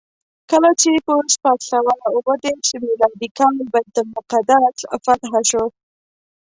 کله چې په شپږ سوه اوه دېرش میلادي کال بیت المقدس فتحه شو.